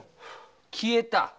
消えた？